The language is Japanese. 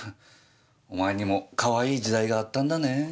お前にもかわいい時代があったんだねぇ。